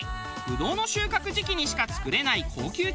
ブドウの収穫時期にしか作れない高級チーズ。